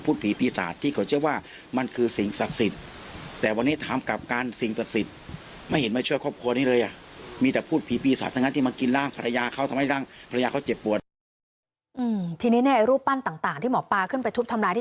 พูดผีพีศาสตร์ที่เขาเชื่อว่ามันคือสิ่งศักดิ์สิทธิ์แต่วันนี้ถามกับการสิ่งศักดิ์สิทธิ์ไม่เห็นมา